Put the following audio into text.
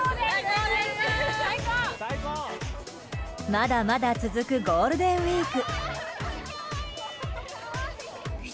まだまだ続くゴールデンウィーク。